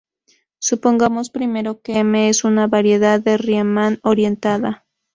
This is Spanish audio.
Supongamos primero que M es una variedad de Riemann orientada.